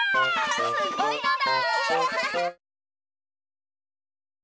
すごいのだ！